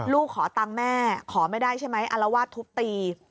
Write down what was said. ขอตังค์แม่ขอไม่ได้ใช่ไหมอารวาสทุบตี